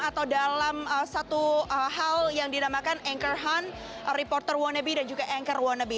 atau dalam satu hal yang dinamakan anchor hunt reporter wannabe dan juga anchor wannabe